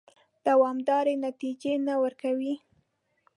دوامدارې نتیجې نه ورکوي.